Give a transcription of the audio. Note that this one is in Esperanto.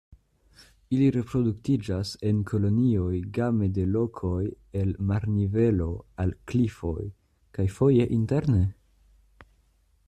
Ili reproduktiĝas en kolonioj game de lokoj el marnivelo al klifoj, kaj foje interne.